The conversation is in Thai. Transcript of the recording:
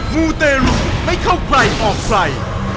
มูลเตรียมให้เข้าใครออกฝัย